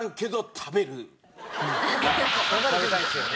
食べたいですよね。